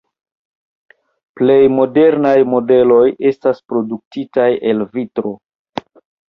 Plej modernaj modeloj estas produktitaj el vitro.